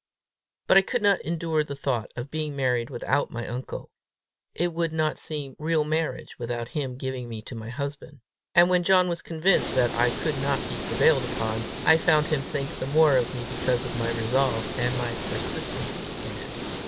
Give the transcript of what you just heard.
But I could not endure the thought of being married without my uncle: it would not seem real marriage without his giving me to my husband. And when John was convinced that I could not be prevailed upon, I found him think the more of me because of my resolve, and my persistency in it.